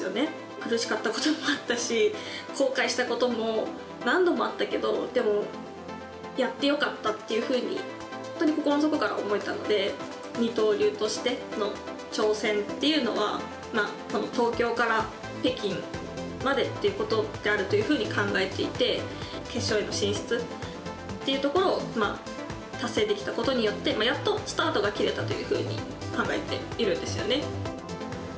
苦しかったこともあったし、後悔したことも何度もあったけど、でもやってよかったっていうふうに、本当に心の底から思えたので、二刀流としての挑戦っていうのは、東京から北京までっていうことであるというふうに考えていて、決勝への進出というところを達成できたことによって、やっとスタートが切れたというふうに考えているんですよね。